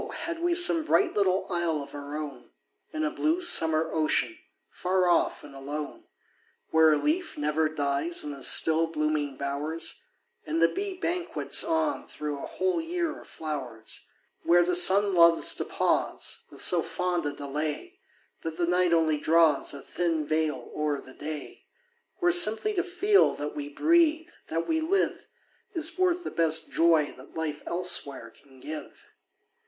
had we some bright little isle of our own, In a blue summer ocean, far off and alone, Where a leaf never dies in the still blooming bowers, And the bee banquets on thro' a whole year of flowers; Where the sun loves to pause With so fond a delay, That the night only draws A thin veil o'er the day; Where simply to feel that we breathe, that we live, Is worth the best joy that life elsewhere can give.